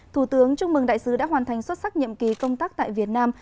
thủ tướng chúc mừng đại sứ đã hoàn thành xuất sắc nhiệm kỳ công tác tại việt nam